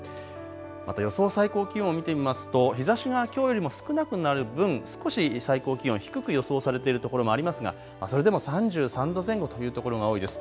また予想最高気温を見てみますと日ざしがきょうよりも少なくなる分、少し最高気温低く予想されているところもありますがそれでも３３度前後というところが多いです。